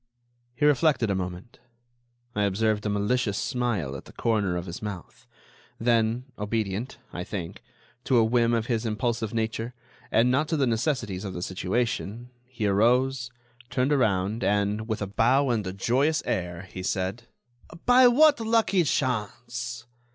He reflected a moment. I observed a malicious smile at the corner of his mouth; then, obedient, I think, to a whim of his impulsive nature, and not to the necessities of the situation, he arose, turned around, and, with a bow and a joyous air, he said: "By what lucky chance?